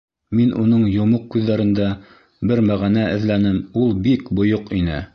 Мин уның йомоҡ күҙҙәрендә бер мәғәнә эҙләнем, ул бик бойоҡ ине.